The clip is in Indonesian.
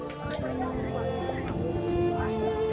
menjadi hasilnya saya juga suka nabur